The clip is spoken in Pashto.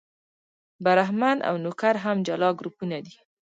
برهمن او نوکر هم جلا ګروپونه دي.